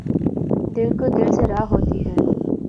دِل کو دِل سے راہ ہوتی ہے